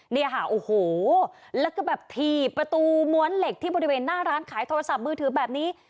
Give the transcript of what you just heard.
เนี่ยค่ะโอ้โหแล้วก็แบบถีบประตูม้วนเหล็กที่บริเวณหน้าร้านขายโทรศัพท์มือถือแบบนี้